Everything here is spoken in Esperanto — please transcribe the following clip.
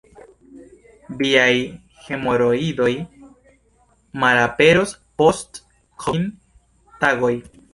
Viaj hemoroidoj malaperos post kvin tagoj.